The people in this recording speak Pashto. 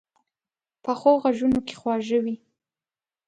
پخو غږونو کې خواږه وي